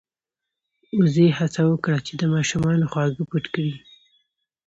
وزې هڅه وکړه چې د ماشومانو خواږه پټ کړي.